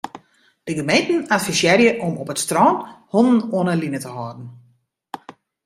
De gemeenten advisearje om op it strân hûnen oan 'e line te hâlden.